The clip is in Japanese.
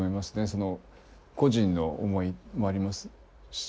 その個人の思いもありますし。